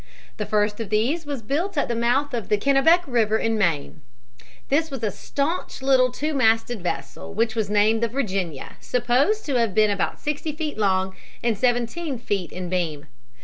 The first of these was built at the mouth of the Kennebec River in Maine. This was a staunch little two masted vessel, which was named the Virginia, supposed to have been about sixty feet long and seventeen feet in beam.